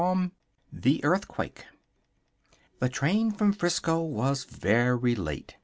THE EARTHQUAKE The train from 'Frisco was very late.